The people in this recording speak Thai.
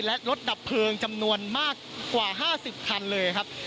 และรถดับเพลิงจำนวนมากกว่า๕๐คันเลยครับ